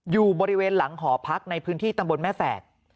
อยู่บริเวณหลังหอพักในพื้นที่ตำบลแม่แฝก